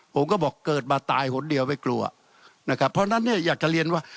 ผมก็บอกเกิดมาตายหนเดียวไม่กลัวนะครับเพราะฉะนั้นเนี่ยอยากจะเรียนว่า